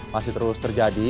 masih terus terjadi